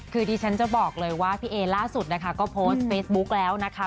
คือดิฉันจะบอกเลยว่าพี่เอล่าสุดนะคะก็โพสต์เฟซบุ๊กแล้วนะคะ